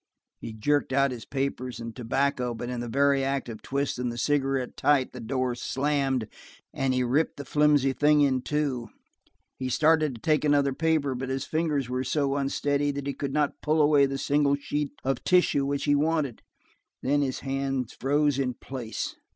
He jerked out his papers and tobacco, but in the very act of twisting the cigarette tight the door slammed and he ripped the flimsy thing in two. He started to take another paper, but his fingers were so unsteady that he could not pull away the single sheet of tissue which he wanted. Then his hands froze in place.